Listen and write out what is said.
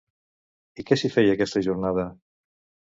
I què s'hi feia aquesta jornada?